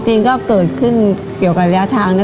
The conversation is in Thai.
จริงก็เกิดขึ้นเกี่ยวกับระยะทางนะ